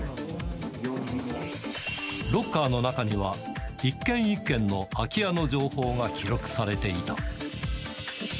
ロッカーの中には、一軒一軒の空き家の情報が記録されていた。